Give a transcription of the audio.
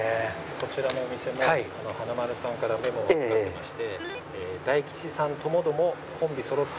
こちらのお店も華丸さんからメモを預かってまして。